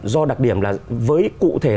do đặc điểm là với cụ thể